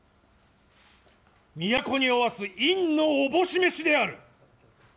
都におわす院のおぼし召しである！